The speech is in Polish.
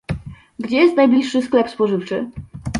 Gdzie jest najbliższy sklep spożywczy?